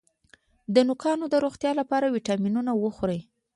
د نوکانو د روغتیا لپاره ویټامینونه وخورئ